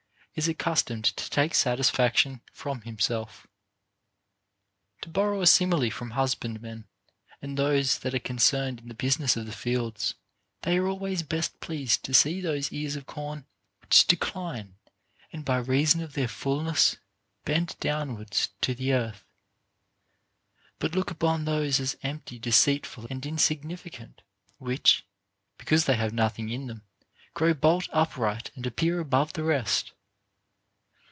is accustomed to take satisfaction from himself. To borrow a simile from husbandmen and those that are concerned in the business of the fields, they are always best pleased to see those ears of corn which decline and by reason of their fulness bend downwards to the earth, but look upon those as empty, deceitful, and insignificant, which, because they have nothing in them, grow bolt up right and appear above the rest.